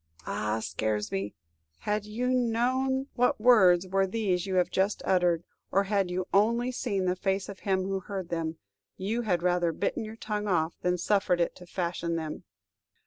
Ah, Scaresby, had you known what words were these you have just uttered, or had you only seen the face of him who heard them, you had rather bitten your tongue off than suffered it to fashion them!